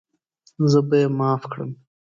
زه به یې معاف کړم.